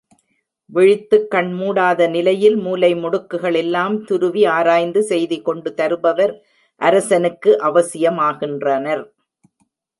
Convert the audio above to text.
விழித்துக் கண்மூடாத நிலையில் மூலை முடுக்குகள் எல்லாம் துருவி ஆராய்ந்து செய்தி கொண்டு தருபவர் அரசனுக்கு அவசியம் ஆகின்றனர்.